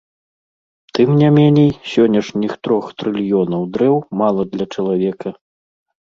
Тым не меней, сённяшніх трох трыльёнаў дрэў мала для чалавека.